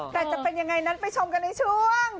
แต่จะเป็นยังไงนั้นไปชมกันในช่วง